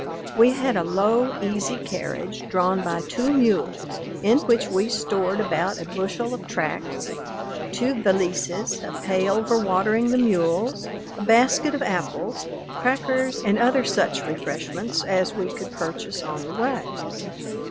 We had a low, easy carriage, drawn by two mules, in which we stored about a bushel of tracts, two valises, a pail for watering the mules, a basket of apples, crackers, and other such refreshments as we could purchase on the way.